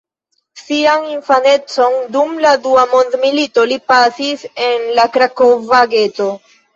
Sian infanecon dum la Dua Mondmilito li pasis en la Krakova geto.